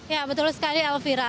ya betul sekali elvira